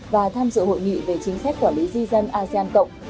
và tham dự hội nghị về chính sách quản lý di dân asean cộng